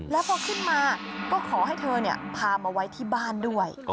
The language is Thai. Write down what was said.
แล้วพอขึ้นมาก็ขอให้เธอพามาไว้ที่บ้านด้วย